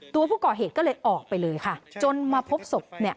ตัวผู้ก่อเหตุก็เลยออกไปเลยค่ะจนมาพบศพเนี่ย